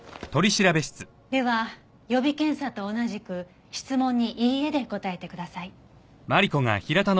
では予備検査と同じく質問に「いいえ」で答えてください。